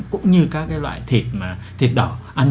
cũng như các cái loại thịt đỏ